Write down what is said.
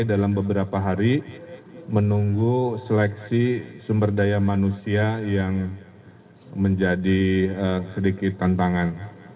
dalam beberapa hari menunggu seleksi sumber daya manusia yang menjadi sedikit tantangan